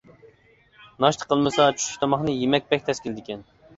ناشتا قىلمىسا، چۈشلۈك تاماقنى يېمەك بەك تەس كېلىدىكەن.